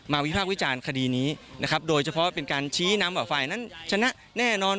วิภาควิจารณ์คดีนี้นะครับโดยเฉพาะเป็นการชี้นำว่าฝ่ายนั้นชนะแน่นอน